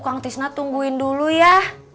kang tisna tungguin dulu ya